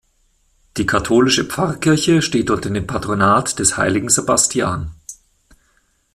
Die katholische Pfarrkirche steht unter dem Patronat des Heiligen Sebastian.